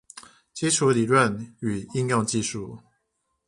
基礎理論與應用技術